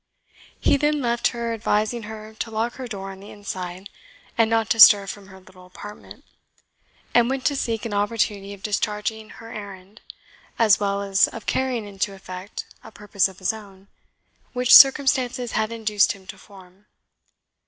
He then left her, advising her to lock her door on the inside, and not to stir from her little apartment; and went to seek an opportunity of discharging her errand, as well as of carrying into effect a purpose of his own, which circumstances had induced him to form.